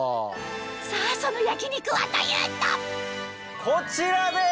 さぁその焼肉はというとこちらです！